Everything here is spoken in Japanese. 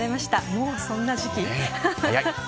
もうそんな時期。